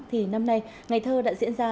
thì năm nay ngày thơ đã diễn ra